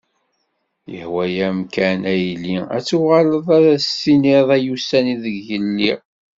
Yehwa-am kan a yelli, ad tuɣaleḍ ad as-tiniḍ ay ussan ideg lliɣ.